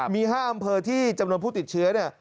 มี๕อำเภอที่จำนวนผู้ติดเชื้อเนี่ย